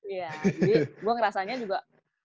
iya jadi gue ngerasanya juga